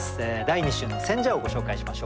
第２週の選者をご紹介しましょう。